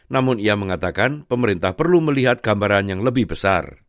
namun ia mengatakan pemerintah perlu melihat gambaran yang lebih besar